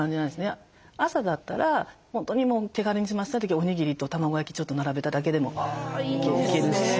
朝だったら本当にもう手軽に済ませたい時はおにぎりと卵焼きちょっと並べただけでもいけるし。